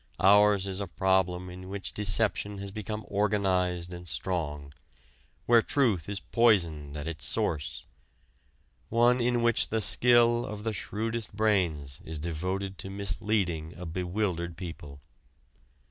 Ours is a problem in which deception has become organized and strong; where truth is poisoned at its source; one in which the skill of the shrewdest brains is devoted to misleading a bewildered people.